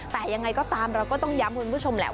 แต่ยังไงก็ตามเราก็ต้องย้ำคุณผู้ชมแหละ